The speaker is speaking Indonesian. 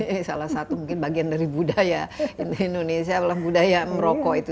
ini salah satu mungkin bagian dari budaya indonesia adalah budaya merokok itu